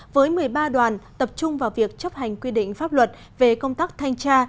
với một mươi ba đoàn tập trung vào việc chấp hành quy định pháp luật về công tác thanh tra